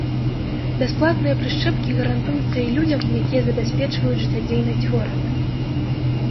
Бясплатныя прышчэпкі гарантуюцца і людзям, якія забяспечваюць жыццядзейнасць горада.